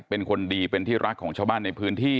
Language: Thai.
เป็นคนดีเป็นที่รักของชาวบ้านในพื้นที่